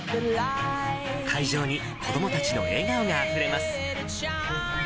会場に子どもたちの笑顔があふれます。